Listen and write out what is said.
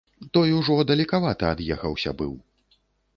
Той ужо далекавата ад'ехаўся быў.